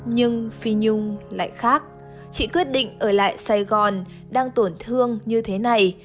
nhưng phi nhung lại khác chị quyết định ở lại sài gòn đang tổn thương như thế này